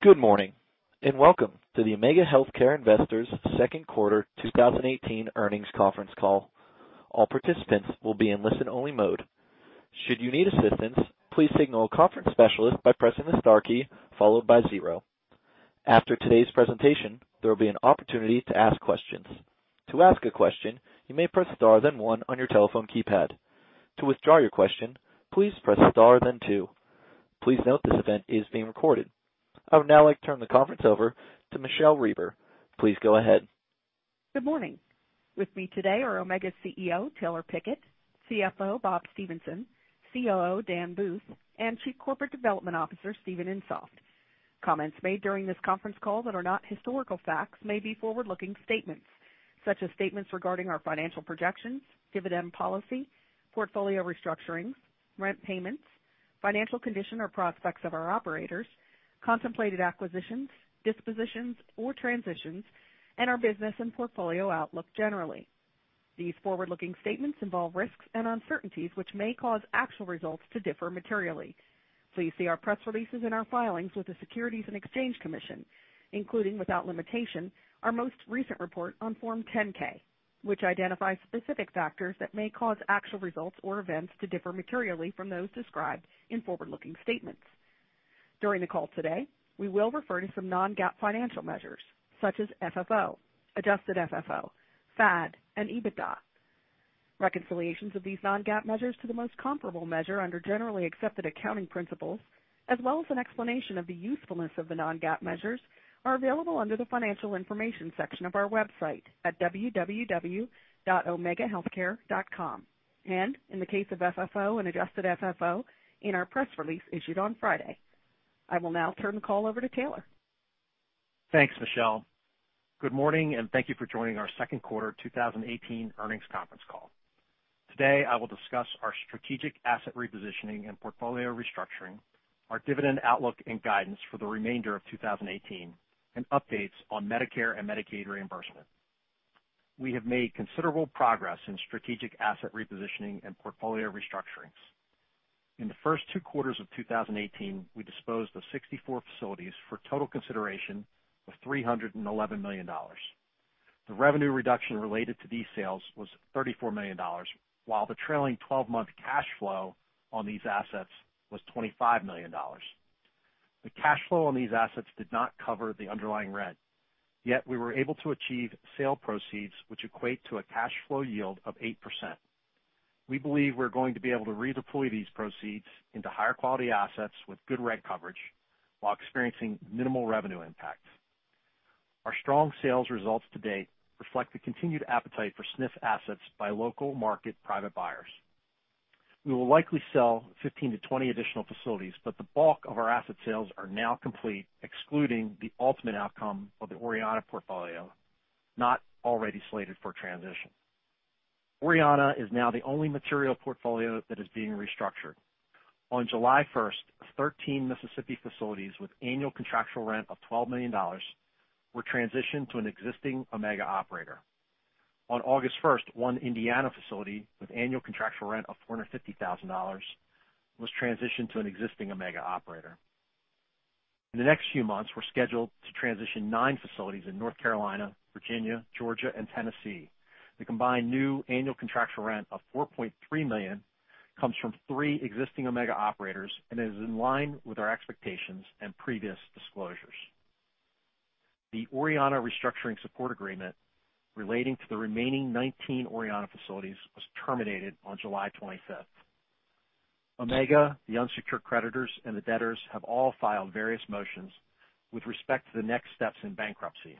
Good morning, and welcome to the Omega Healthcare Investors second quarter 2018 earnings conference call. All participants will be in listen-only mode. Should you need assistance, please signal a conference specialist by pressing the star key followed by zero. After today's presentation, there will be an opportunity to ask questions. To ask a question, you may press star then one on your telephone keypad. To withdraw your question, please press star then two. Please note this event is being recorded. I would now like to turn the conference over to Michele Reber. Please go ahead. Good morning. With me today are Omega CEO, Taylor Pickett, CFO, Bob Stephenson, COO, Dan Booth, and Chief Corporate Development Officer, Steven Insoft. Comments made during this conference call that are not historical facts may be forward-looking statements such as statements regarding our financial projections, dividend policy, portfolio restructurings, rent payments, financial condition, or prospects of our operators, contemplated acquisitions, disposals, or transitions, and our business and portfolio outlook generally. These forward-looking statements involve risks and uncertainties which may cause actual results to differ materially. Please see our press releases and our filings with the Securities and Exchange Commission, including, without limitation, our most recent report on Form 10-K, which identifies specific factors that may cause actual results or events to differ materially from those described in forward-looking statements. During the call today, we will refer to some non-GAAP financial measures such as FFO, Adjusted FFO, FAD, and EBITDA. Reconciliations of these non-GAAP measures to the most comparable measure under generally accepted accounting principles, as well as an explanation of the usefulness of the non-GAAP measures, are available under the Financial Information section of our website at www.omegahealthcare.com, and in the case of FFO and Adjusted FFO, in our press release issued on Friday. I will now turn the call over to Taylor. Thanks, Michele. Good morning, and thank you for joining our second quarter 2018 earnings conference call. Today, I will discuss our strategic asset repositioning and portfolio restructuring, our dividend outlook and guidance for the remainder of 2018, and updates on Medicare and Medicaid reimbursement. We have made considerable progress in strategic asset repositioning and portfolio restructurings. In the first two quarters of 2018, we disposed of 64 facilities for a total consideration of $311 million. The revenue reduction related to these sales was $34 million, while the trailing 12-month cash flow on these assets was $25 million. The cash flow on these assets did not cover the underlying rent, yet we were able to achieve sale proceeds which equate to a cash flow yield of 8%. We believe we're going to be able to redeploy these proceeds into higher-quality assets with good rent coverage while experiencing minimal revenue impacts. Our strong sales results to date reflect the continued appetite for SNF assets by local market private buyers. We will likely sell 15-20 additional facilities, but the bulk of our asset sales are now complete, excluding the ultimate outcome of the Orianna portfolio not already slated for transition. Orianna is now the only material portfolio that is being restructured. On July 1st, 13 Mississippi facilities with annual contractual rent of $12 million were transitioned to an existing Omega operator. On August 1st, one Indiana facility with annual contractual rent of $450,000 was transitioned to an existing Omega operator. In the next few months, we're scheduled to transition nine facilities in North Carolina, Virginia, Georgia, and Tennessee. The combined new annual contractual rent of $4.3 million comes from three existing Omega operators and is in line with our expectations and previous disclosures. The Orianna restructuring support agreement relating to the remaining 19 Orianna facilities was terminated on July 25th. Omega, the unsecured creditors, and the debtors have all filed various motions with respect to the next steps in bankruptcy.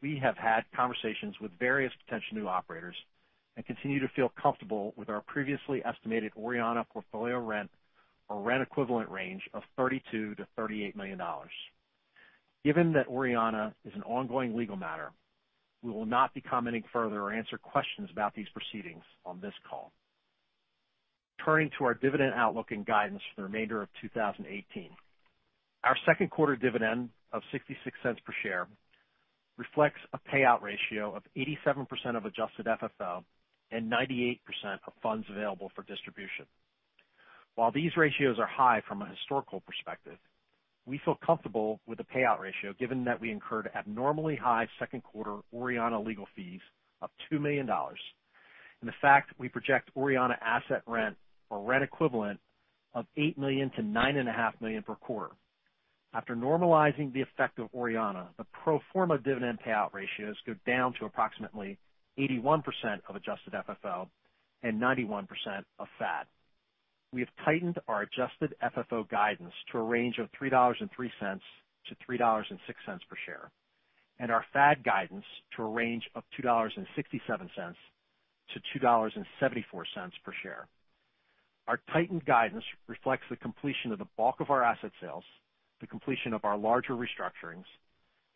We have had conversations with various potential new operators and continue to feel comfortable with our previously estimated Orianna portfolio rent or rent equivalent range of $32 million-$38 million. Given that Orianna is an ongoing legal matter, we will not be commenting further or answer questions about these proceedings on this call. Turning to our dividend outlook and guidance for the remainder of 2018. Our second quarter dividend of $0.66 per share reflects a payout ratio of 87% of Adjusted FFO and 98% of funds available for distribution. While these ratios are high from a historical perspective, we feel comfortable with the payout ratio given that we incurred abnormally high second quarter Orianna legal fees of $2 million, and the fact we project Orianna asset rent or rent equivalent of $8 million-$9.5 million per quarter. After normalizing the effect of Orianna, the pro forma dividend payout ratios go down to approximately 81% of Adjusted FFO and 91% of FAD. We have tightened our Adjusted FFO guidance to a range of $3.03-$3.06 per share, and our FAD guidance to a range of $2.67-$2.74 per share. Our tightened guidance reflects the completion of the bulk of our asset sales, the completion of our larger restructurings,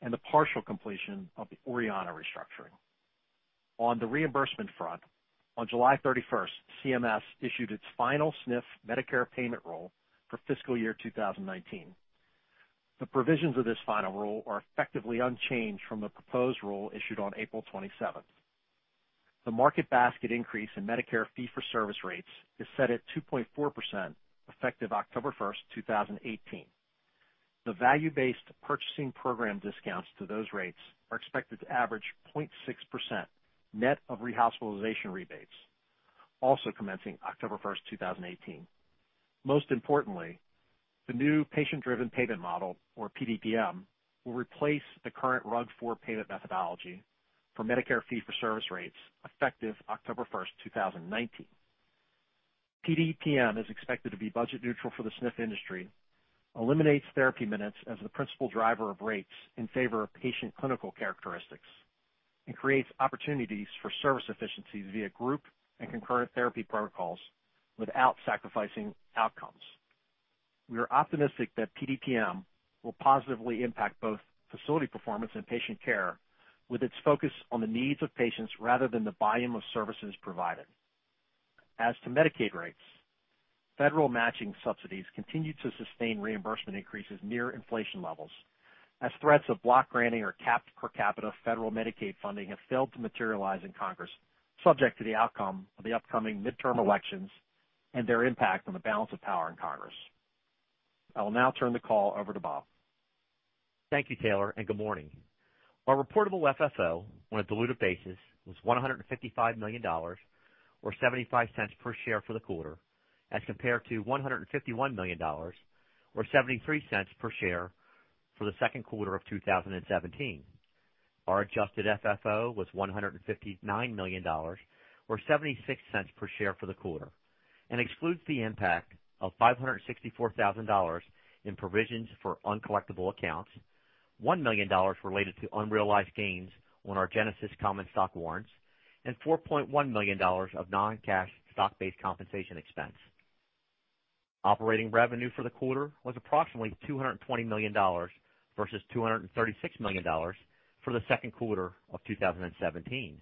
and the partial completion of the Orianna restructuring. On the reimbursement front, on July 31st, CMS issued its final SNF Medicare payment rule for fiscal year 2019. The provisions of this final rule are effectively unchanged from the proposed rule issued on April 27th. The market basket increase in Medicare fee-for-service rates is set at 2.4%, effective October 1st, 2018. The Value-Based Purchasing Program discounts to those rates are expected to average 0.6%, net of rehospitalization rebates, also commencing October 1st, 2018. Most importantly, the new Patient Driven Payment Model, or PDPM, will replace the current RUG-4 payment methodology for Medicare fee-for-service rates effective October 1st, 2019. PDPM is expected to be budget neutral for the SNF industry, eliminates therapy minutes as the principal driver of rates in favor of patient clinical characteristics, and creates opportunities for service efficiencies via group and concurrent therapy protocols without sacrificing outcomes. We are optimistic that PDPM will positively impact both facility performance and patient care with its focus on the needs of patients rather than the volume of services provided. As to Medicaid rates, federal matching subsidies continue to sustain reimbursement increases near inflation levels as threats of block granting or capped per capita federal Medicaid funding have failed to materialize in Congress, subject to the outcome of the upcoming midterm elections and their impact on the balance of power in Congress. I will now turn the call over to Bob. Thank you, Taylor, and good morning. Our reportable FFO on a diluted basis was $155 million, or $0.75 per share for the quarter, as compared to $151 million or $0.73 per share for the second quarter of 2017. Our Adjusted FFO was $159 million, or $0.76 per share for the quarter, and excludes the impact of $564,000 in provisions for uncollectible accounts, $1 million related to unrealized gains on our Genesis common stock warrants, and $4.1 million of non-cash stock-based compensation expense. Operating revenue for the quarter was approximately $220 million versus $236 million for the second quarter of 2017.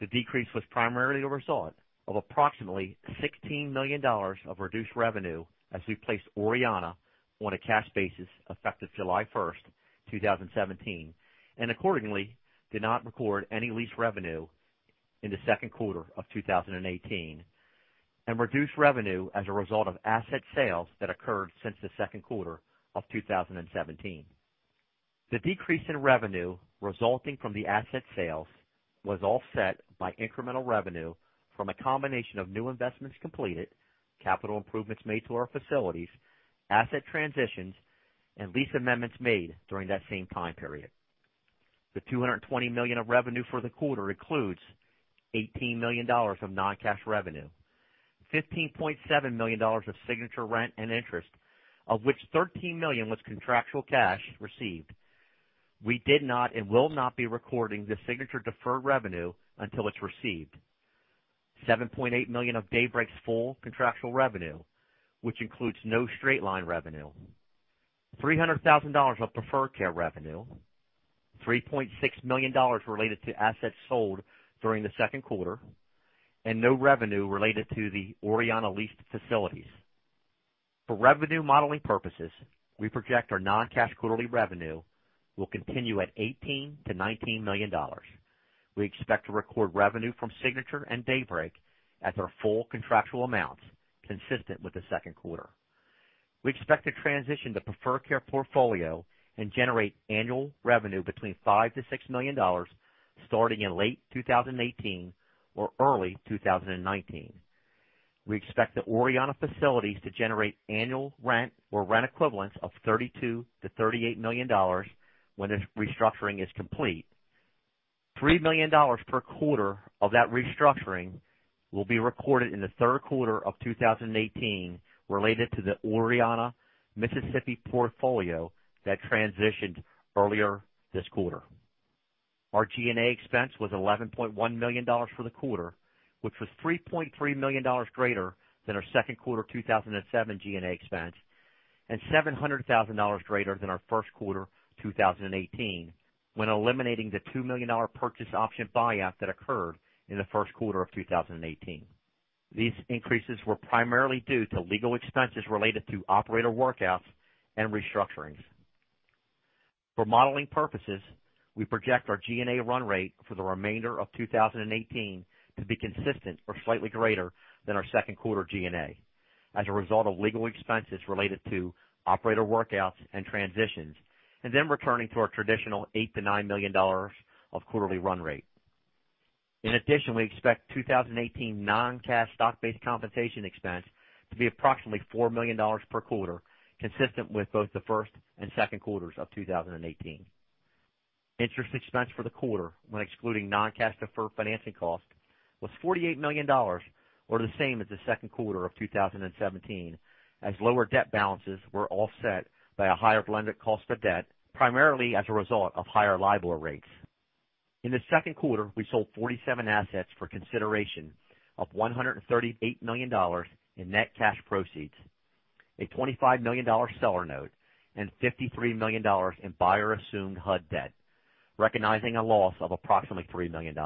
The decrease was primarily a result of approximately $16 million of reduced revenue as we placed Orianna on a cash basis effective July 1st, 2017, and accordingly, did not record any lease revenue in the second quarter of 2018, and reduced revenue as a result of asset sales that occurred since the second quarter of 2017. The decrease in revenue resulting from the asset sales was offset by incremental revenue from a combination of new investments completed, capital improvements made to our facilities, asset transitions, and lease amendments made during that same time period. The $220 million of revenue for the quarter includes $18 million of non-cash revenue, $15.7 million of Signature rent and interest, of which $13 million was contractual cash received. We did not and will not be recording the Signature deferred revenue until it is received. $7.8 million of Daybreak's full contractual revenue, which includes no straight-line revenue, $300,000 of Preferred Care revenue, $3.6 million related to assets sold during the second quarter, and no revenue related to the Orianna leased facilities. For revenue modeling purposes, we project our non-cash quarterly revenue will continue at $18 million to $19 million. We expect to record revenue from Signature and Daybreak at their full contractual amounts, consistent with the second quarter. We expect to transition the Preferred Care portfolio and generate annual revenue between $5 million to $6 million starting in late 2018 or early 2019. We expect the Orianna facilities to generate annual rent or rent equivalents of $32 million to $38 million when this restructuring is complete. $3 million per quarter of that restructuring will be recorded in the third quarter of 2018 related to the Orianna Mississippi portfolio that transitioned earlier this quarter. Our G&A expense was $11.1 million for the quarter, which was $3.3 million greater than our second quarter 2017 G&A expense, and $700,000 greater than our first quarter 2018, when eliminating the $2 million purchase option buyout that occurred in the first quarter of 2018. These increases were primarily due to legal expenses related to operator workouts and restructurings. For modeling purposes, we project our G&A run rate for the remainder of 2018 to be consistent or slightly greater than our second quarter G&A as a result of legal expenses related to operator workouts and transitions, then returning to our traditional $8 million to $9 million of quarterly run rate. In addition, we expect 2018 non-cash stock-based compensation expense to be approximately $4 million per quarter, consistent with both the first and second quarters of 2018. Interest expense for the quarter, when excluding non-cash deferred financing cost, was $48 million, or the same as the second quarter of 2017, as lower debt balances were offset by a higher blended cost of debt, primarily as a result of higher LIBOR rates. In the second quarter, we sold 37 assets for consideration of $138 million in net cash proceeds, a $25 million seller note and $53 million in buyer-assumed HUD debt, recognizing a loss of approximately $3 million.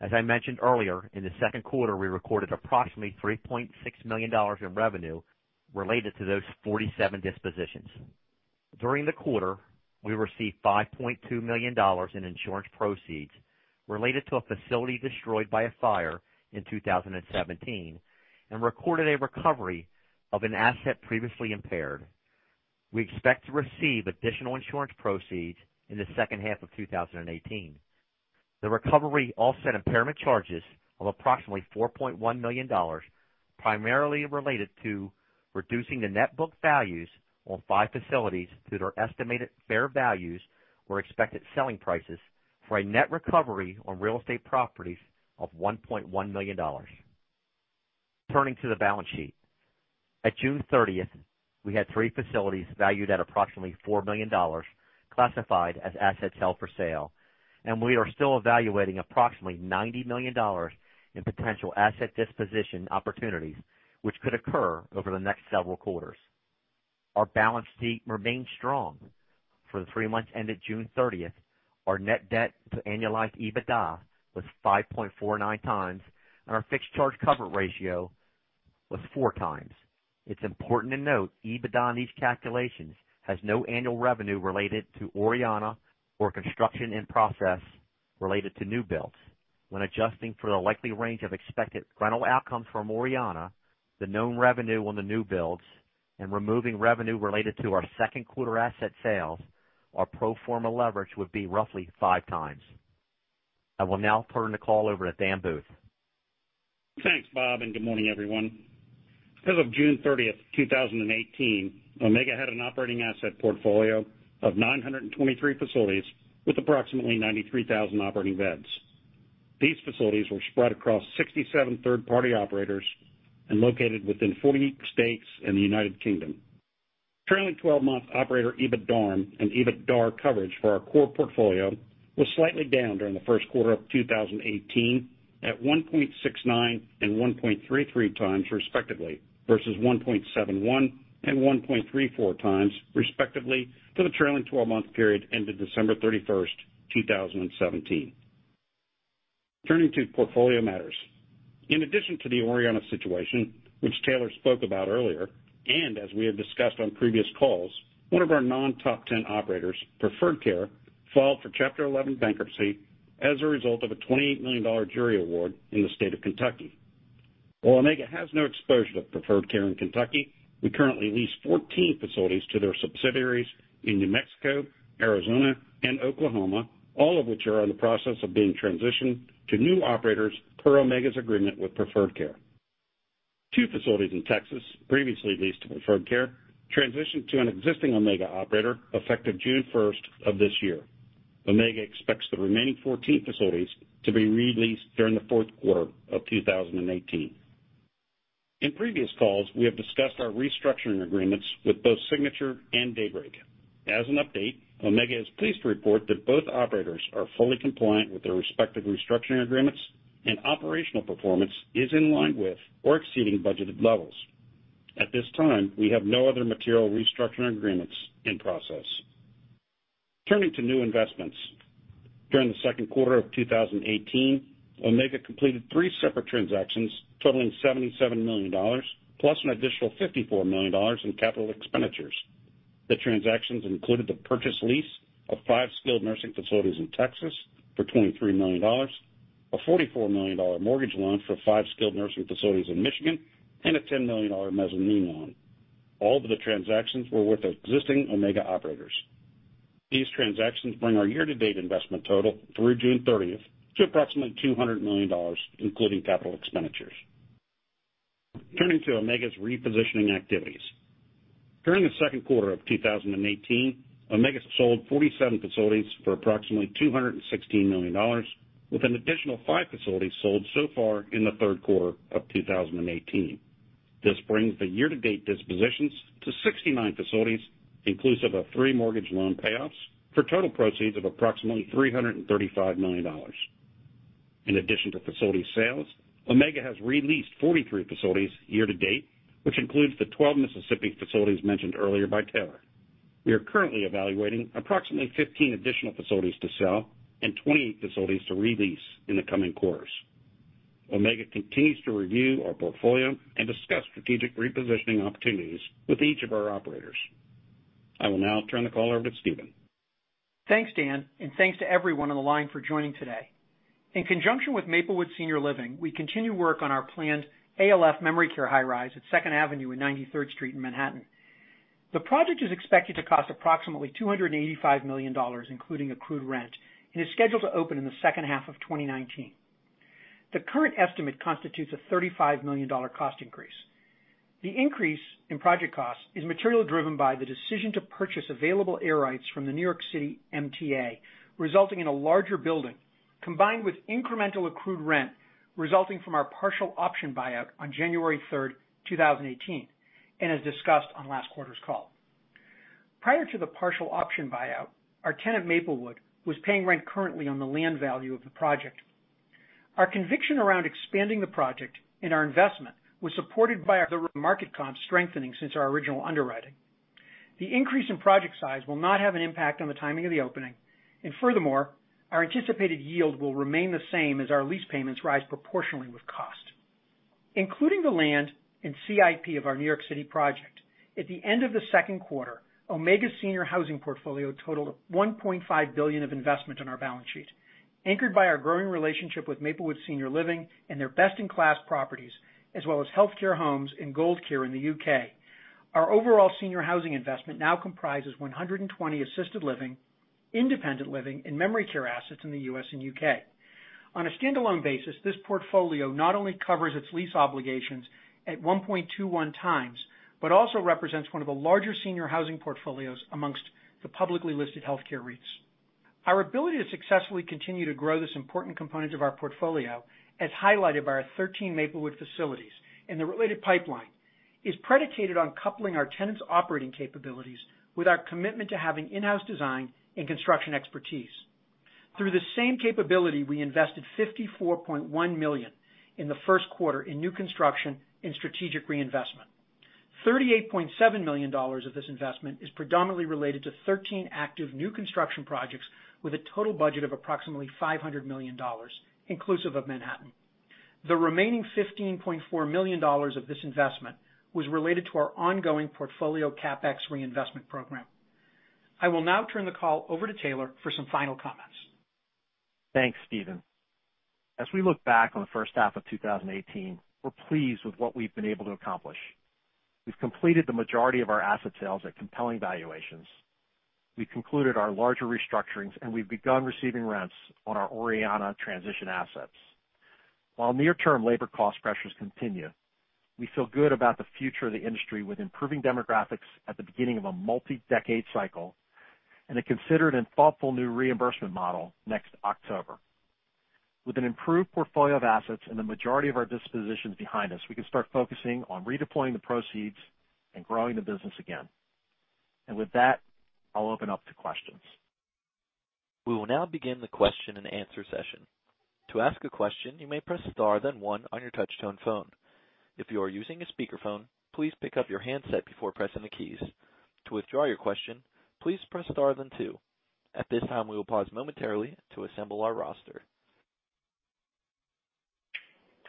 As I mentioned earlier, in the second quarter, we recorded approximately $3.6 million in revenue related to those 37 dispositions. During the quarter, we received $5.2 million in insurance proceeds related to a facility destroyed by a fire in 2017 and recorded a recovery of an asset previously impaired. We expect to receive additional insurance proceeds in the second half of 2018. The recovery offset impairment charges of approximately $4.1 million, primarily related to reducing the net book values on five facilities through their estimated fair values or expected selling prices for a net recovery on real estate properties of $1.1 million. Turning to the balance sheet. At June 30th, we had three facilities valued at approximately $4 million classified as assets held for sale. We are still evaluating approximately $90 million in potential asset disposition opportunities, which could occur over the next several quarters. Our balance sheet remains strong. For the three months ended June 30th, our net debt to annualized EBITDA was 5.49 times, and our fixed charge cover ratio was four times. It's important to note, EBITDA in these calculations has no annual revenue related to Orianna or construction in process related to new builds. When adjusting for the likely range of expected rental outcomes from Orianna, the known revenue on the new builds, and removing revenue related to our second quarter asset sales, our pro forma leverage would be roughly five times. I will now turn the call over to Dan Booth. Thanks, Bob, and good morning, everyone. As of June 30, 2018, Omega had an operating asset portfolio of 923 facilities with approximately 93,000 operating beds. These facilities were spread across 67 third-party operators and located within 48 states and the U.K. Trailing 12-month operator EBITDARM and EBITDAR coverage for our core portfolio was slightly down during the first quarter of 2018, at 1.69 and 1.33 times, respectively, versus 1.71 and 1.34 times, respectively, for the trailing 12-month period ended December 31, 2017. Turning to portfolio matters. In addition to the Orianna situation, which Taylor spoke about earlier, as we have discussed on previous calls, one of our non-top 10 operators, Preferred Care, filed for Chapter 11 bankruptcy as a result of a $28 million jury award in the state of Kentucky. While Omega has no exposure to Preferred Care in Kentucky, we currently lease 14 facilities to their subsidiaries in New Mexico, Arizona, and Oklahoma, all of which are in the process of being transitioned to new operators per Omega's agreement with Preferred Care. Two facilities in Texas, previously leased to Preferred Care, transitioned to an existing Omega operator effective July 1 of this year. Omega expects the remaining 14 facilities to be re-leased during the fourth quarter of 2018. In previous calls, we have discussed our restructuring agreements with both Signature and Daybreak. As an update, Omega is pleased to report that both operators are fully compliant with their respective restructuring agreements, and operational performance is in line with or exceeding budgeted levels. At this time, we have no other material restructuring agreements in process. Turning to new investments. During the second quarter of 2018, Omega completed three separate transactions totaling $77 million, plus an additional $54 million in CapEx. The transactions included the purchase lease of five skilled nursing facilities in Texas for $23 million, a $44 million mortgage loan for five skilled nursing facilities in Michigan, and a $10 million mezzanine loan. All of the transactions were with existing Omega operators. These transactions bring our year-to-date investment total through June 30 to approximately $200 million, including CapEx. Turning to Omega's repositioning activities. During the second quarter of 2018, Omega sold 47 facilities for approximately $216 million, with an additional five facilities sold so far in the third quarter of 2018. This brings the year-to-date dispositions to 69 facilities, inclusive of three mortgage loan payoffs, for total proceeds of approximately $335 million. In addition to facility sales, Omega has re-leased 43 facilities year to date, which includes the 12 Mississippi facilities mentioned earlier by Taylor. We are currently evaluating approximately 15 additional facilities to sell and 28 facilities to re-lease in the coming quarters. Omega continues to review our portfolio and discuss strategic repositioning opportunities with each of our operators. I will now turn the call over to Steven. Thanks, Dan, and thanks to everyone on the line for joining today. In conjunction with Maplewood Senior Living, we continue work on our planned ALF memory care high-rise at 2nd Avenue and 93rd Street in Manhattan. The project is expected to cost approximately $285 million, including accrued rent, and is scheduled to open in the second half of 2019. The current estimate constitutes a $35 million cost increase. The increase in project cost is materially driven by the decision to purchase available air rights from the New York City MTA, resulting in a larger building, combined with incremental accrued rent resulting from our partial option buyout on January 3rd, 2018, and as discussed on last quarter's call. Prior to the partial option buyout, our tenant, Maplewood, was paying rent currently on the land value of the project. Our conviction around expanding the project and our investment was supported by the market comps strengthening since our original underwriting. Furthermore, our anticipated yield will remain the same as our lease payments rise proportionally with cost. Including the land and CIP of our New York City project, at the end of the second quarter, Omega's senior housing portfolio totaled $1.5 billion of investment on our balance sheet, anchored by our growing relationship with Maplewood Senior Living and their best-in-class properties, as well as Healthcare Homes and Gold Care in the U.K. Our overall senior housing investment now comprises 120 assisted living, independent living, and memory care assets in the U.S. and U.K. On a standalone basis, this portfolio not only covers its lease obligations at 1.21 times, but also represents one of the larger senior housing portfolios amongst the publicly listed healthcare REITs. Our ability to successfully continue to grow this important component of our portfolio, as highlighted by our 13 Maplewood facilities and the related pipeline, is predicated on coupling our tenants' operating capabilities with our commitment to having in-house design and construction expertise. Through the same capability, we invested $54.1 million in the first quarter in new construction and strategic reinvestment. $38.7 million of this investment is predominantly related to 13 active new construction projects with a total budget of approximately $500 million, inclusive of Manhattan. The remaining $15.4 million of this investment was related to our ongoing portfolio CapEx reinvestment program. I will now turn the call over to Taylor for some final comments. Thanks, Steven. As we look back on the first half of 2018, we're pleased with what we've been able to accomplish. We've completed the majority of our asset sales at compelling valuations. We concluded our larger restructurings, and we've begun receiving rents on our Orianna transition assets. While near-term labor cost pressures continue, we feel good about the future of the industry, with improving demographics at the beginning of a multi-decade cycle and a considered and thoughtful new reimbursement model next October. With an improved portfolio of assets and the majority of our dispositions behind us, we can start focusing on redeploying the proceeds and growing the business again. With that, I'll open up to questions. We will now begin the question and answer session. To ask a question, you may press star then one on your touchtone phone. If you are using a speakerphone, please pick up your handset before pressing the keys. To withdraw your question, please press star then two. At this time, we will pause momentarily to assemble our roster.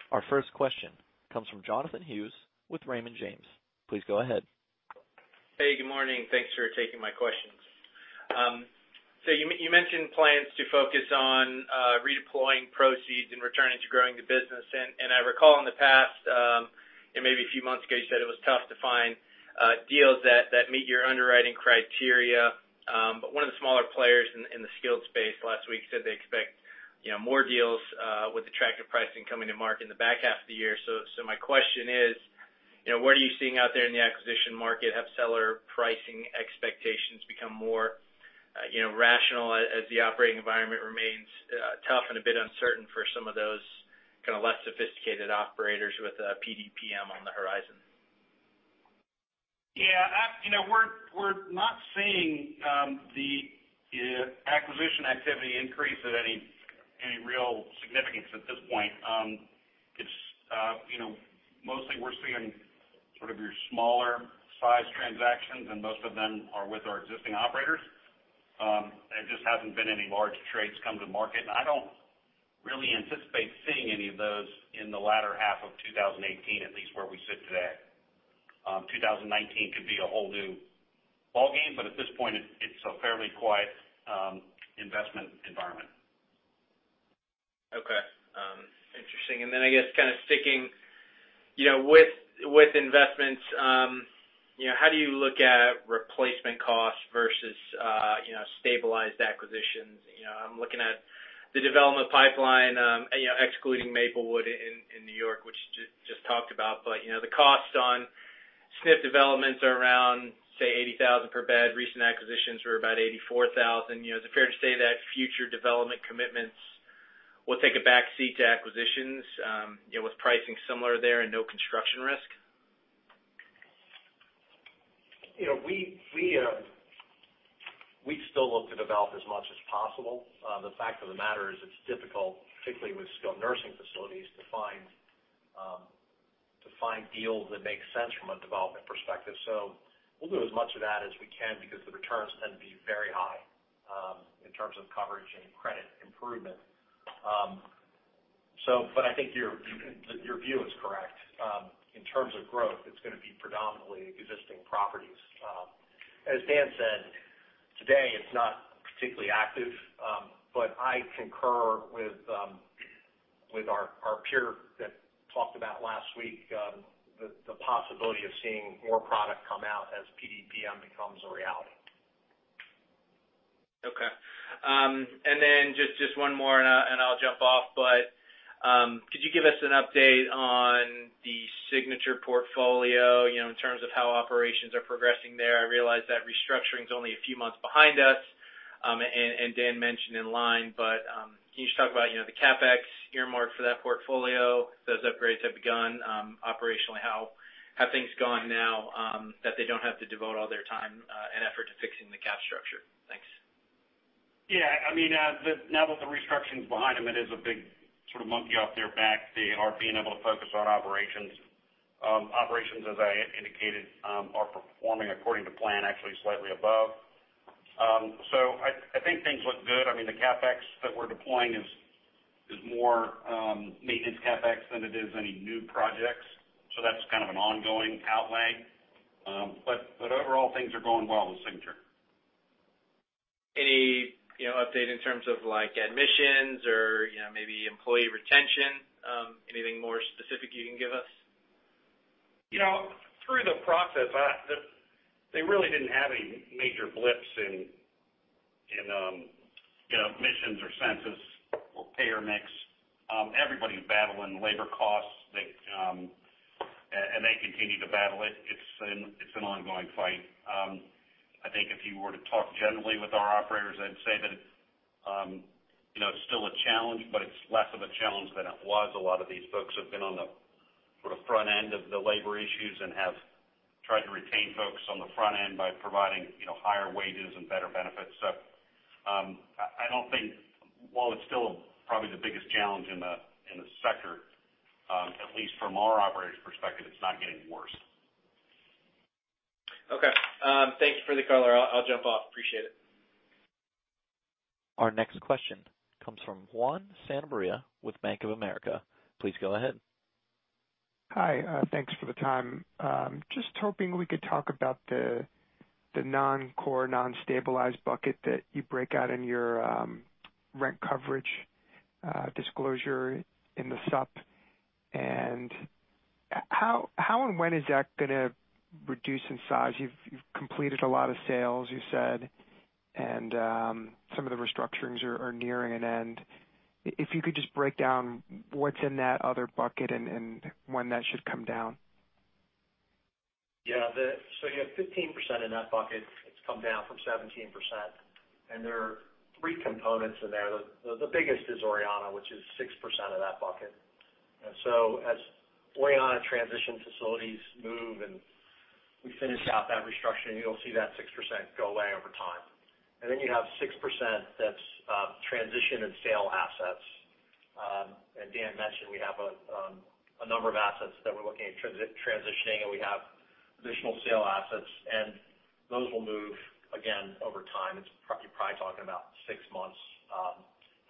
Our first question comes from Jonathan Hughes with Raymond James. Please go ahead. Hey, good morning. Thanks for taking my questions. You mentioned plans to focus on redeploying proceeds and returning to growing the business. I recall in the past, it may be a few months ago, you said it was tough to find deals that meet your underwriting criteria. One of the smaller players in the skilled space last week said they expect more deals with attractive pricing coming to market in the back half of the year. My question is, what are you seeing out there in the acquisition market? Have seller pricing expectations become more rational as the operating environment remains tough and a bit uncertain for some of those kind of less sophisticated operators with PDPM on the horizon? Yeah. We're not seeing the acquisition activity increase at any real significance at this point. Mostly, we're seeing sort of your smaller size transactions, and most of them are with our existing operators. There just haven't been any large trades come to market, and I don't really anticipate seeing any of those in the latter half of 2018, at least where we sit today. 2019 could be a whole new ballgame, but at this point, it's a fairly quiet investment environment. Okay. Interesting. Then I guess kind of sticking with investments, how do you look at replacement costs versus stabilized acquisitions? I'm looking at the development pipeline, excluding Maplewood in New York, which you just talked about, but the costs on SNF developments are around, say, 80,000 per bed. Recent acquisitions were about 84,000. Is it fair to say that future development commitments will take a backseat to acquisitions with pricing similar there and no construction risk? We still look to develop as much as possible. The fact of the matter is it's difficult, particularly with skilled nursing facilities, to find deals that make sense from a development perspective. We'll do as much of that as we can because the returns tend to be very high in terms of coverage and credit improvement. I think your view is correct. In terms of growth, it's going to be predominantly existing properties. As Dan Booth said, today, it's not particularly active. I concur with our peer that talked about last week, the possibility of seeing more product come out as PDPM becomes a reality. Okay. Just one more and I'll jump off, could you give us an update on the Signature HealthCARE portfolio, in terms of how operations are progressing there? I realize that restructuring's only a few months behind us, Dan Booth mentioned in line, can you just talk about the CapEx earmarked for that portfolio, those upgrades have begun, operationally, how have things gone now that they don't have to devote all their time and effort to fixing the cap structure? Thanks. Yeah. Now that the restructuring's behind them, it is a big sort of monkey off their back. They are being able to focus on operations. Operations, as I indicated, are performing according to plan, actually slightly above. I think things look good. The CapEx that we're deploying is more maintenance CapEx than it is any new projects. That's kind of an ongoing outlay. Overall, things are going well with Signature HealthCARE. Any update in terms of admissions or maybe employee retention? Anything more specific you can give us? Through the process, they really didn't have any major blips in admissions or census or payer mix. Everybody's battling labor costs, and they continue to battle it. It's an ongoing fight. I think if you were to talk generally with our operators, they'd say that it's still a challenge, but it's less of a challenge than it was. A lot of these folks have been on the front end of the labor issues and have tried to retain folks on the front end by providing higher wages and better benefits. I don't think, while it's still probably the biggest challenge in the sector, at least from our operators' perspective, it's not getting worse. Okay. Thanks for the color. I'll jump off. Appreciate it. Our next question comes from Juan Sanabria with Bank of America. Please go ahead. Hi, thanks for the time. Just hoping we could talk about the non-core, non-stabilized bucket that you break out in your rent coverage disclosure in the sup. How and when is that going to reduce in size? You've completed a lot of sales, you said, and some of the restructurings are nearing an end. If you could just break down what's in that other bucket and when that should come down. Yeah. You have 15% in that bucket. It's come down from 17%. There are three components in there. The biggest is Orianna, which is 6% of that bucket. As Orianna transitions facilities move, and we finish out that restructuring, you'll see that 6% go away over time. You have 6% that's transition and sale assets. As Dan mentioned, we have a number of assets that we're looking at transitioning. We have additional sale assets, and those will move, again, over time. You're probably talking about six months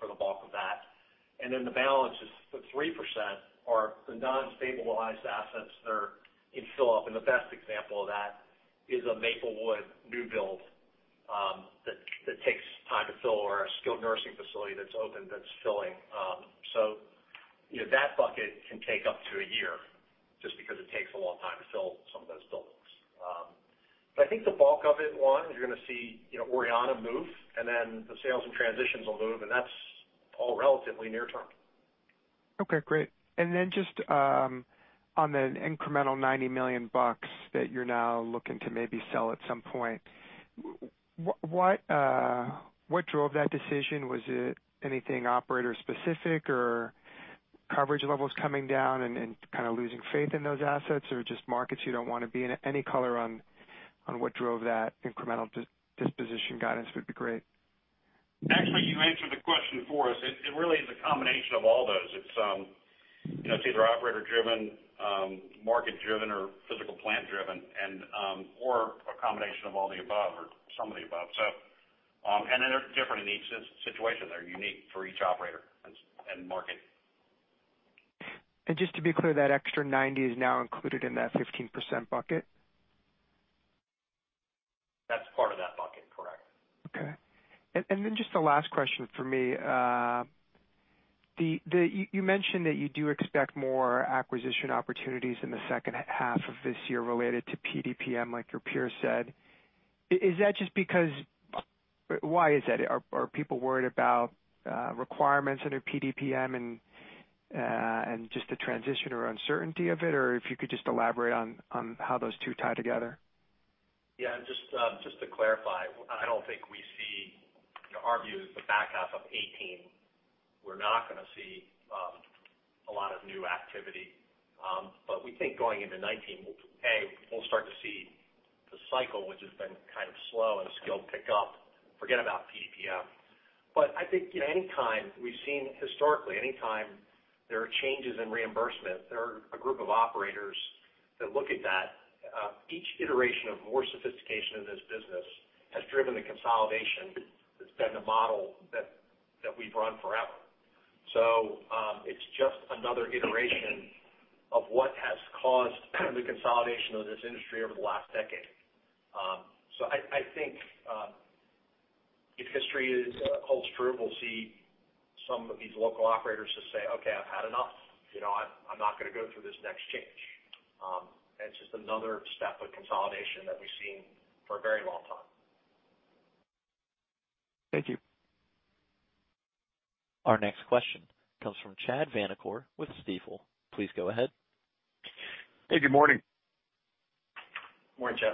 for the bulk of that. The balance is the 3% are the non-stabilized assets that are in fill-up, and the best example of that is a Maplewood new build that takes time to fill or a skilled nursing facility that's open that's filling. That bucket can take up to a year just because it takes a long time to fill some of those buildings. I think the bulk of it, Juan, you're going to see Orianna move. The sales and transitions will move, and that's all relatively near term. Okay, great. Just on the incremental $90 million that you're now looking to maybe sell at some point, what drove that decision? Was it anything operator specific or coverage levels coming down and kind of losing faith in those assets or just markets you don't want to be in? Any color on what drove that incremental disposition guidance would be great. Actually, you answered the question for us. It really is a combination of all those. It's either operator driven, market driven, or physical plant driven, or a combination of all the above or some of the above. They're different in each situation. They're unique for each operator and market. Just to be clear, that extra 90 is now included in that 15% bucket? That's part of that bucket, correct. Okay. Just the last question for me. You mentioned that you do expect more acquisition opportunities in the second half of this year related to PDPM, like your peers said. Why is that? Are people worried about requirements under PDPM and just the transition or uncertainty of it? Or if you could just elaborate on how those two tie together. Yeah, just to clarify, our view is the back half of 2018, we're not going to see a lot of new activity. We think going into 2019, A, we'll start to see the cycle, which has been kind of slow in skilled, pick up, forget about PDPM. I think we've seen historically, any time there are changes in reimbursement, there are a group of operators that look at that. Each iteration of more sophistication in this business has driven the consolidation that's been the model that we've run forever. It's just another iteration of what has caused the consolidation of this industry over the last decade. I think, if history holds true, we'll see some of these local operators just say, "Okay, I've had enough. I'm not going to go through this next change." It's just another step of consolidation that we've seen for a very long time. Thank you. Our next question comes from Chad Vanacore with Stifel. Please go ahead. Hey, good morning. Morning, Chad.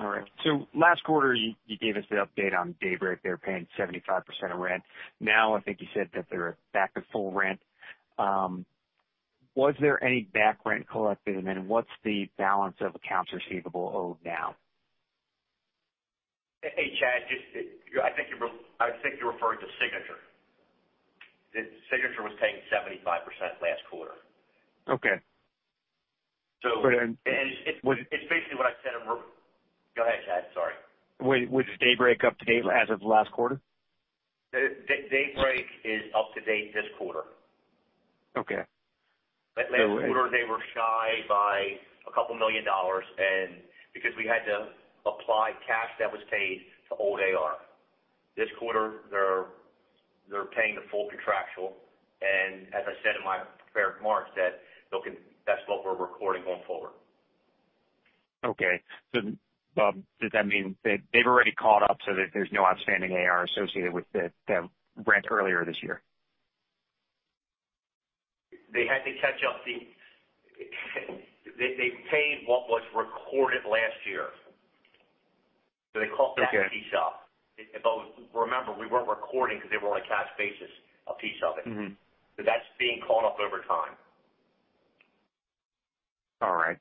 All right. Last quarter, you gave us the update on Daybreak. They were paying 75% of rent. Now I think you said that they're back to full rent. Was there any back rent collected, and then what's the balance of accounts receivable owed now? Hey, Chad, I think you're referring to Signature. Signature was paying 75% last quarter. Okay. It's basically what I said. Go ahead, Chad. Sorry. Was Daybreak up to date as of last quarter? Daybreak is up to date this quarter. Okay. Last quarter, they were shy by a couple million dollars, and because we had to apply cash that was paid to old AR. This quarter, they're paying the full contractual, and as I said in my prepared remarks, that's what we're recording going forward. Okay. Does that mean they've already caught up so that there's no outstanding AR associated with the rent earlier this year? They had to catch up. They paid what was recorded last year. They caught that piece up. Okay. Remember, we weren't recording because they were on a cash basis, a piece of it. That's being caught up over time. All right.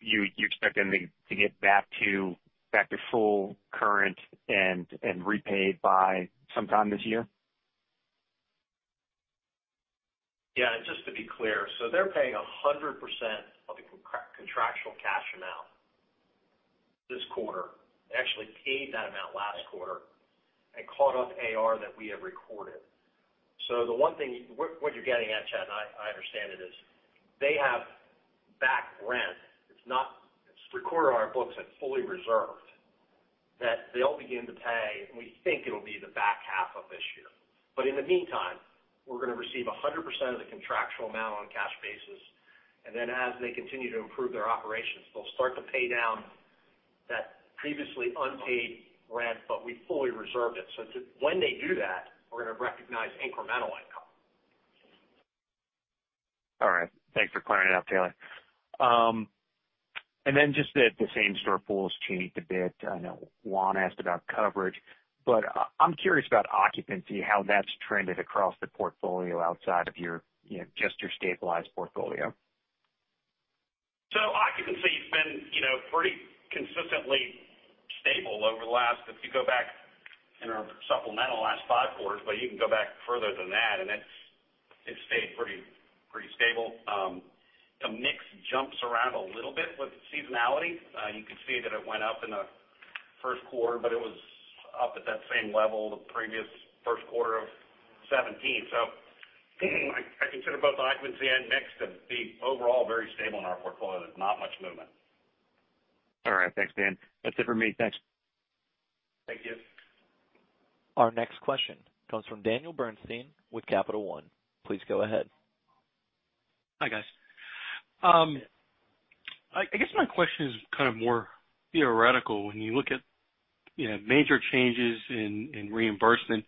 You expect them to get back to full current and repaid by sometime this year? Yeah. Just to be clear, they're paying 100% of the contractual cash amount this quarter. They actually paid that amount last quarter and caught up AR that we have recorded. What you're getting at, Chad, I understand it is, they have back rent. It's not recorded on our books and fully reserved, that they'll begin to pay, and we think it'll be the back half of this year. In the meantime, we're going to receive 100% of the contractual amount on a cash basis, and then as they continue to improve their operations, they'll start to pay down that previously unpaid rent, but we fully reserved it. When they do that, we're going to recognize incremental income. All right. Thanks for clearing it up, Taylor. Just that the same-store pools changed a bit. I know Juan asked about coverage, but I'm curious about occupancy, how that's trended across the portfolio outside of just your stabilized portfolio. Occupancy has been pretty consistently stable over the last, if you go back in our supplemental last five quarters, you can go back further than that, and it's stayed pretty stable. The mix jumps around a little bit with seasonality. You can see that it went up in the first quarter, but it was up at that same level the previous first quarter of 2017. I consider both occupancy and mix to be overall very stable in our portfolio. There's not much movement. All right. Thanks, Dan. That's it for me. Thanks. Thank you. Our next question comes from Daniel Bernstein with Capital One. Please go ahead. Hi, guys. I guess my question is more theoretical. When you look at major changes in reimbursement,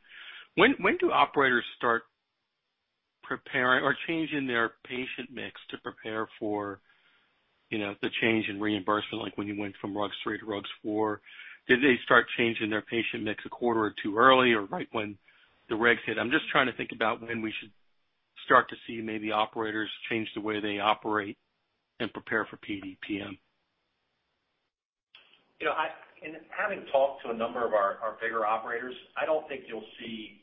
when do operators start preparing or changing their patient mix to prepare for the change in reimbursement, like when you went from RUG3 to RUG-4? Do they start changing their patient mix a quarter or two early or right when the regs hit? I'm just trying to think about when we should start to see maybe operators change the way they operate and prepare for PDPM. In having talked to a number of our bigger operators, I don't think you'll see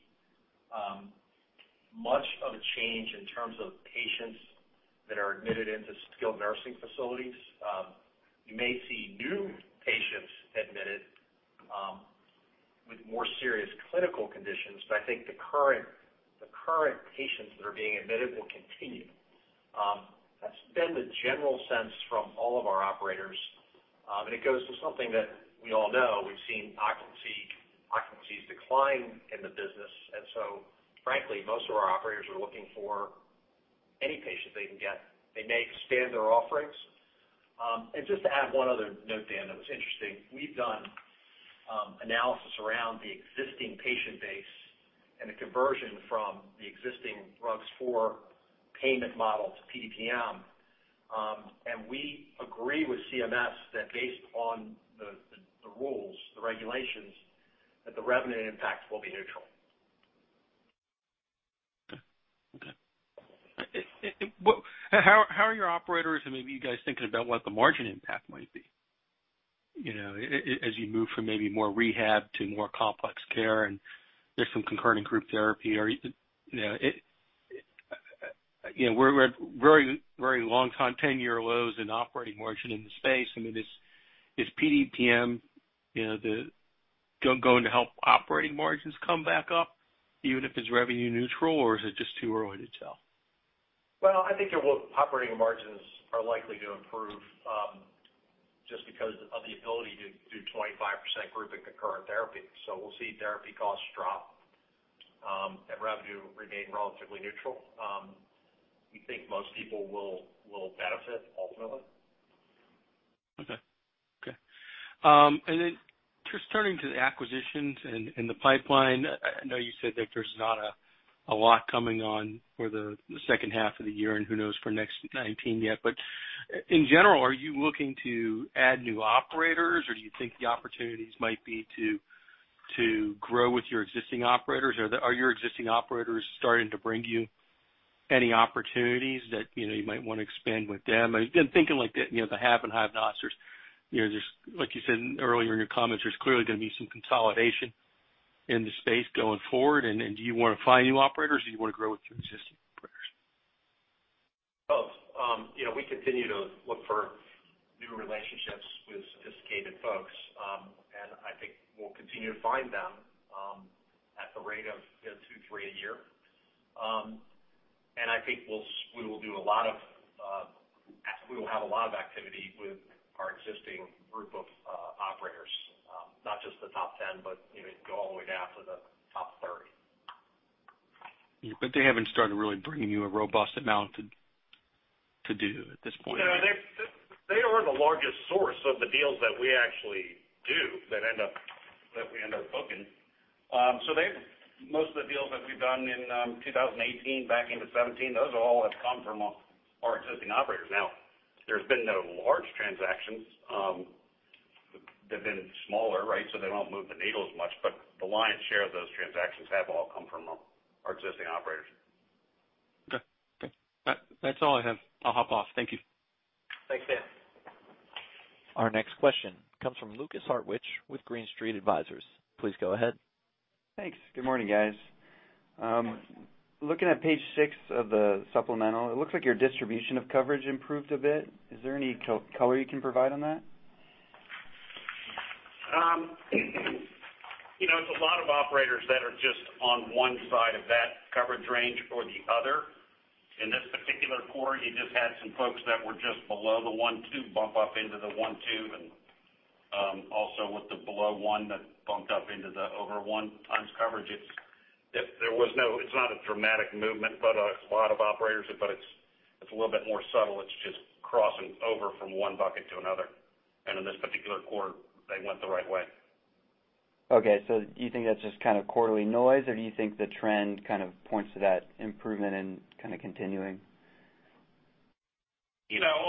much of a change in terms of patients that are admitted into skilled nursing facilities. You may see new patients admitted with more serious clinical conditions, but I think the current patients that are being admitted will continue. That's been the general sense from all of our operators, and it goes to something that we all know. We've seen occupancies decline in the business. Frankly, most of our operators are looking for any patient they can get. They may expand their offerings. Just to add one other note, Dan, that was interesting. We've done analysis around the existing patient base and the conversion from the existing RUG4 payment model to PDPM, and we agree with CMS that based on the rules, the regulations, that the revenue impacts will be neutral. Okay. How are your operators and maybe you guys thinking about what the margin impact might be, as you move from maybe more rehab to more complex care and there's some concurrent group therapy? We're at very long time, 10-year lows in operating margin in the space. Is PDPM going to help operating margins come back up, even if it's revenue neutral, or is it just too early to tell? Well, I think operating margins are likely to improve, just because of the ability to do 25% group and concurrent therapy. We'll see therapy costs drop, and revenue remain relatively neutral. We think most people will benefit ultimately. Okay. Just turning to the acquisitions and the pipeline, I know you said that there's not a lot coming on for the second half of the year and who knows for next 2019 yet. In general, are you looking to add new operators, or do you think the opportunities might be to grow with your existing operators? Are your existing operators starting to bring you Any opportunities that you might want to expand with them? I've been thinking like that, the have and have nots. Like you said earlier in your comments, there's clearly going to be some consolidation in the space going forward, and do you want to find new operators or do you want to grow with your existing operators? Both. We continue to look for new relationships with sophisticated folks, I think we'll continue to find them at the rate of two, three a year. I think we will have a lot of activity with our existing group of operators. Not just the top 10, but go all the way down to the top 30. They haven't started really bringing you a robust amount to do at this point? They are the largest source of the deals that we actually do, that we end up booking. Most of the deals that we've done in 2018 back into 2017, those all have come from our existing operators. Now, there's been no large transactions. They've been smaller, so they don't move the needle as much, but the lion's share of those transactions have all come from our existing operators. Okay. That's all I have. I'll hop off. Thank you. Thanks, Dan. Our next question comes from Lukas Hartwich with Green Street Advisors. Please go ahead. Thanks. Good morning, guys. Looking at page six of the supplemental, it looks like your distribution of coverage improved a bit. Is there any color you can provide on that? It's a lot of operators that are just on one side of that coverage range or the other. In this particular quarter, you just had some folks that were just below the one two bump up into the one two, and also with the below one that bumped up into the over one times coverage. It's not a dramatic movement, but a lot of operators, but it's a little bit more subtle. It's just crossing over from one bucket to another, and in this particular quarter, they went the right way. Okay. Do you think that's just kind of quarterly noise, or do you think the trend kind of points to that improvement and kind of continuing?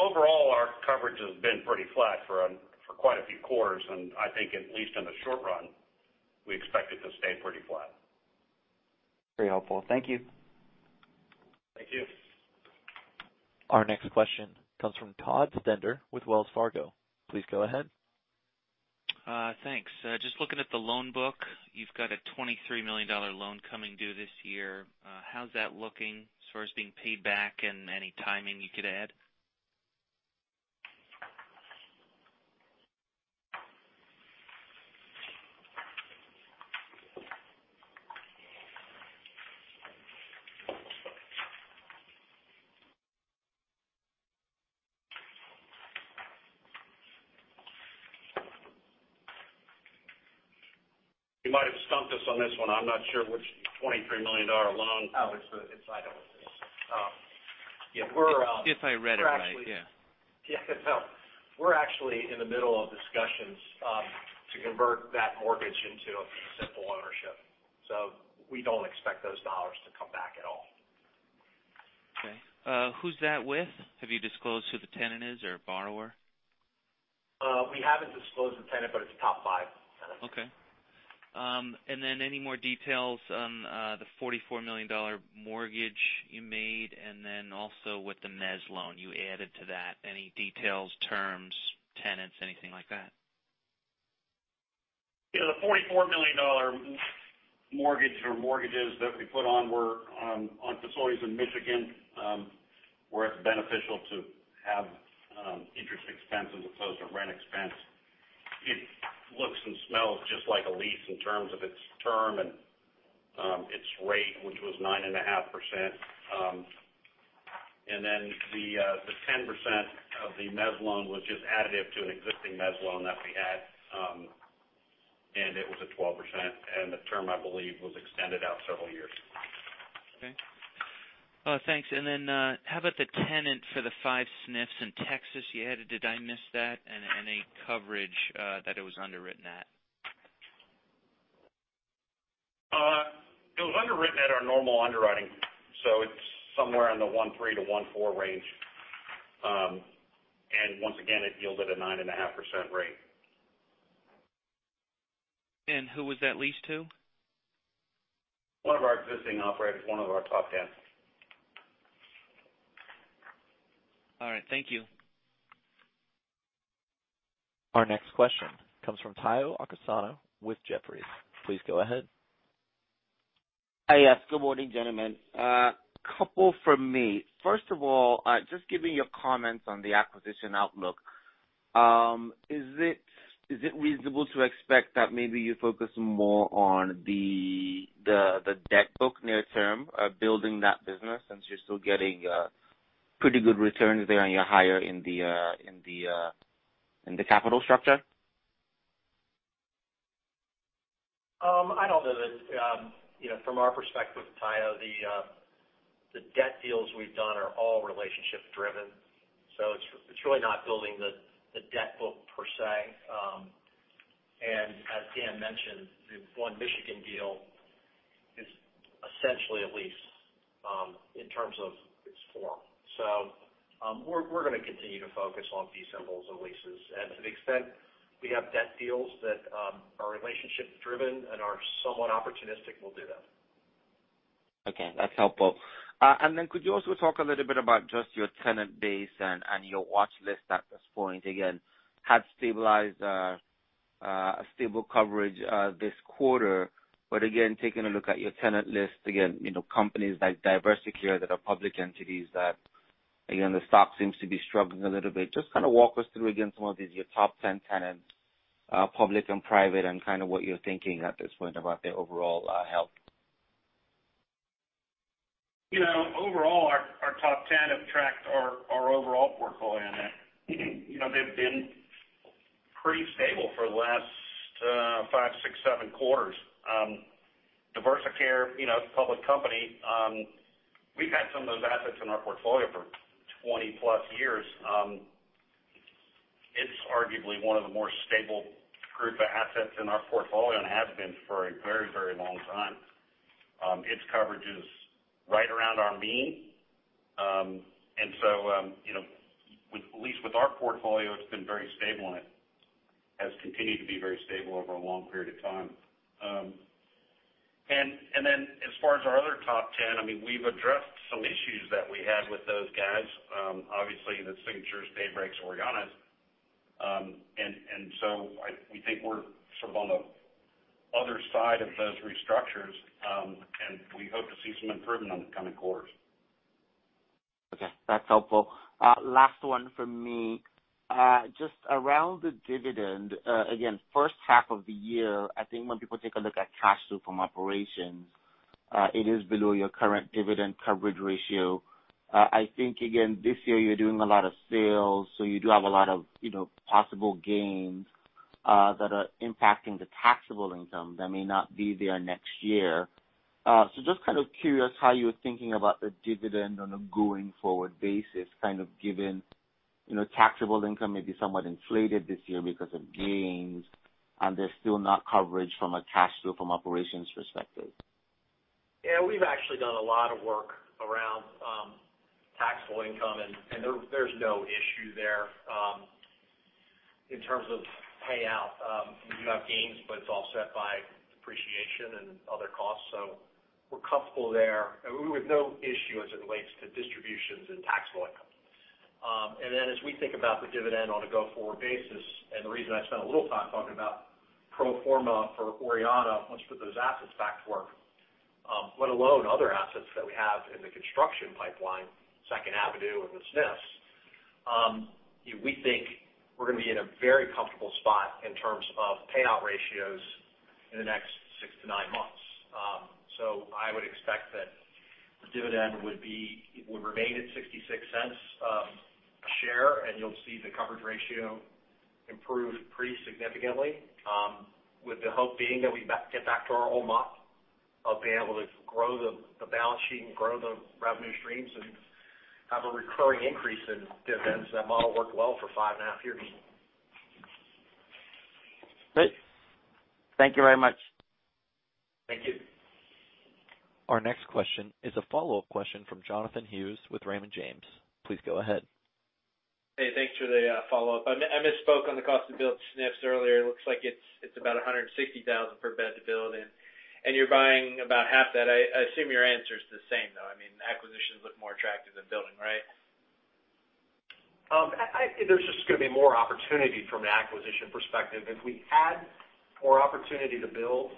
Overall, our coverage has been pretty flat for quite a few quarters, and I think at least in the short run, we expect it to stay pretty flat. Very helpful. Thank you. Thank you. Our next question comes from Todd Stender with Wells Fargo. Please go ahead. Thanks. Just looking at the loan book, you've got a $23 million loan coming due this year. How's that looking as far as being paid back and any timing you could add? You might have stumped us on this one. I'm not sure which $23 million loan. It's item six. If I read it right, yeah. We're actually in the middle of discussions to convert that mortgage into a simple ownership. We don't expect those dollars to come back at all. Okay. Who's that with? Have you disclosed who the tenant is or borrower? We haven't disclosed the tenant, it's top five tenant. Okay. Any more details on the $44 million mortgage you made, and also with the mez loan you added to that. Any details, terms, tenants, anything like that? The $44 million mortgage or mortgages that we put on were on facilities in Michigan, where it's beneficial to have interest expense as opposed to rent expense. It looks and smells just like a lease in terms of its term and its rate, which was 9.5%. The 10% of the mez loan was just additive to an existing mez loan that we had, and it was at 12%, and the term, I believe, was extended out several years. Okay. Thanks. How about the tenant for the 5 SNFs in Texas you added? Did I miss that? Any coverage that it was underwritten at? It was underwritten at our normal underwriting, so it's somewhere in the 1.3-1.4 range. Once again, it yielded a 9.5% rate. Who was that leased to? One of our existing operators, one of our top 10. All right, thank you. Our next question comes from Tayo Okusanya with Jefferies. Please go ahead. Yes. Good morning, gentlemen. A couple from me. First of all, just give me your comments on the acquisition outlook. Is it reasonable to expect that maybe you focus more on the debt book near term, building that business, since you're still getting pretty good returns there and you're higher in the capital structure? I don't know that, from our perspective, Tayo, the debt deals we've done are all relationship-driven. It's really not building the debt book per se. As Dan mentioned, the one Michigan deal is essentially a lease in terms of form. We're going to continue to focus on disposals and leases. To the extent we have debt deals that are relationship-driven and are somewhat opportunistic, we'll do that. Okay, that's helpful. Then could you also talk a little bit about just your tenant base and your watch list at this point? Again, had stabilized, a stable coverage this quarter, but again, taking a look at your tenant list, again, companies like Diversicare that are public entities that, again, the stock seems to be struggling a little bit. Just kind of walk us through, again, some of these, your top 10 tenants, public and private, and kind of what you're thinking at this point about their overall health. Overall, our top 10 have tracked our overall portfolio, and they've been pretty stable for the last five to seven quarters. Diversicare, it's a public company. We've had some of those assets in our portfolio for 20-plus years. It's arguably one of the more stable group of assets in our portfolio and has been for a very long time. Its coverage is right around our mean. At least with our portfolio, it's been very stable, and it has continued to be very stable over a long period of time. Then as far as our other top 10, we've addressed some issues that we had with those guys. Obviously, the Signatures, Daybreak, Oriannas. We think we're sort of on the other side of those restructures, and we hope to see some improvement on the coming quarters. That's helpful. Last one from me. Just around the dividend, again, first half of the year, I think when people take a look at cash flow from operations, it is below your current dividend coverage ratio. I think, again, this year you're doing a lot of sales, so you do have a lot of possible gains that are impacting the taxable income that may not be there next year. Just kind of curious how you're thinking about the dividend on a going-forward basis, kind of given taxable income may be somewhat inflated this year because of gains, and there's still not coverage from a cash flow from operations perspective. Yeah, we've actually done a lot of work around taxable income, there's no issue there in terms of payout. We do have gains, it's all set by depreciation and other costs. We're comfortable there. We have no issue as it relates to distributions and taxable income. As we think about the dividend on a go-forward basis, and the reason I spent a little time talking about pro forma for Orianna, once we put those assets back to work, let alone other assets that we have in the construction pipeline, Second Avenue and the SNFs, we think we're going to be in a very comfortable spot in terms of payout ratios in the next six to nine months. I would expect that the dividend would remain at $0.66 a share, you'll see the coverage ratio improve pretty significantly, with the hope being that we get back to our old model of being able to grow the balance sheet and grow the revenue streams and have a recurring increase in dividends. That model worked well for five and a half years. Great. Thank you very much. Thank you. Our next question is a follow-up question from Jonathan Hughes with Raymond James. Please go ahead. Hey, thanks for the follow-up. I misspoke on the cost to build SNFs earlier. It looks like it's about $160,000 per bed to build, and you're buying about half that. I assume your answer is the same, though. Acquisitions look more attractive than building, right? There's just going to be more opportunity from an acquisition perspective. If we had more opportunity to build,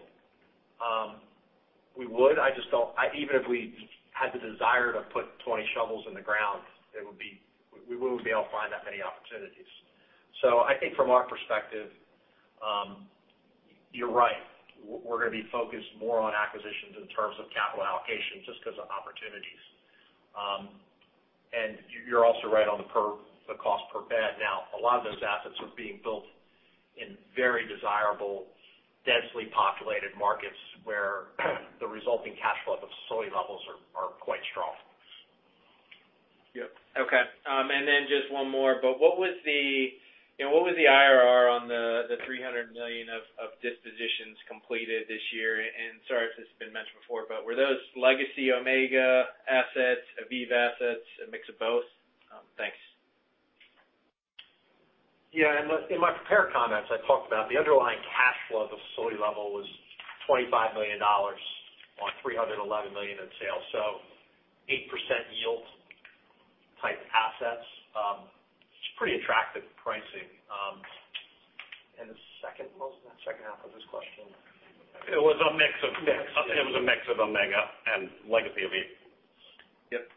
we would. Even if we had the desire to put 20 shovels in the ground, we wouldn't be able to find that many opportunities. I think from our perspective, you're right. We're going to be focused more on acquisitions in terms of capital allocation just because of opportunities. You're also right on the cost per bed. Now, a lot of those assets are being built in very desirable, densely populated markets where the resulting cash flow of facility levels are quite strong. Yep. Okay. Just one more, what was the IRR on the $300 million of dispositions completed this year? Sorry if this has been mentioned before, were those legacy Omega assets, Aviv assets, a mix of both? Thanks. Yeah. In my prepared comments, I talked about the underlying cash flow of facility level was $25 million on $311 million in sales. 8% yield type assets. It's pretty attractive pricing. What was the second half of this question? It was a mix of- Mix It was a mix of Omega and legacy Aviv. Yep.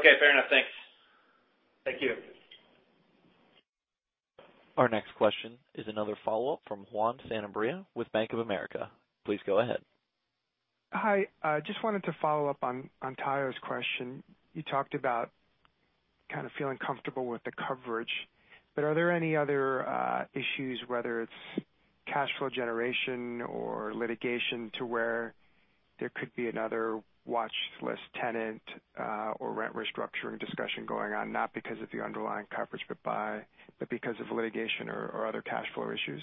Okay, fair enough. Thanks. Thank you. Our next question is another follow-up from Juan Sanabria with Bank of America. Please go ahead. Hi. Just wanted to follow up on Tayo's question. Are there any other issues, whether it's cash flow generation or litigation, to where there could be another watchlist tenant or rent restructuring discussion going on, not because of the underlying coverage, but because of litigation or other cash flow issues?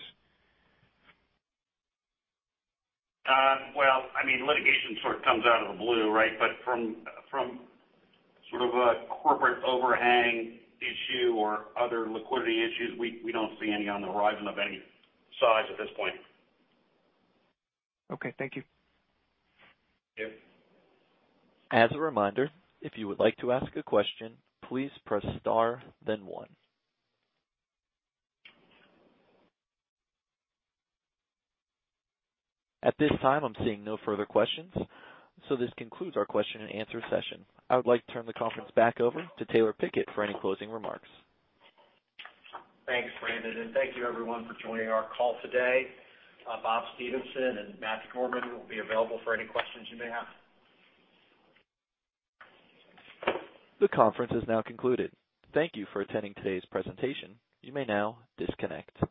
Well, litigation sort of comes out of the blue, right? From sort of a corporate overhang issue or other liquidity issues, we don't see any on the horizon of any size at this point. Okay, thank you. Yep. As a reminder, if you would like to ask a question, please press star then one. At this time, I'm seeing no further questions, this concludes our question and answer session. I would like to turn the conference back over to Taylor Pickett for any closing remarks. Thanks, Brandon, and thank you everyone for joining our call today. Bob Stephenson and Matthew Gourmand will be available for any questions you may have. The conference is now concluded. Thank you for attending today's presentation. You may now disconnect.